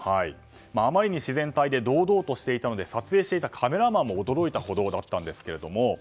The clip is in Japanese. あまりに自然体で堂々としていたので撮影していたカメラマンも驚いていたほどだったんですが。